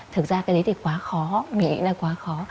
thực ra cái đấy thì quá khó nghĩ là quá khó